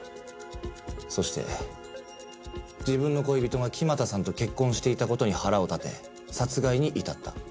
そして自分の恋人が木俣さんと結婚していた事に腹を立て殺害に至った。